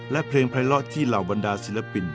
และเพลงไพรเลาะที่เหล่าบรรดาศิลปิน